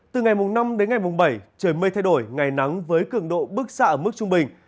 từ ngày mùng năm đến ngày mùng bảy trời mây thay đổi ngày nắng với cường độ bức xạ ở mức trung bình